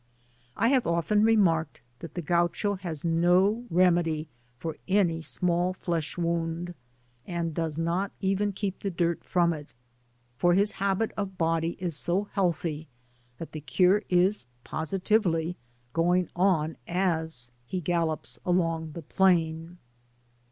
I often remarked that the Gaucho has no remedy for any small flesh wound, and does not even keep the dirt from it, for his habit of body is so healthy that the cure is positively going on as he gallops along the plain.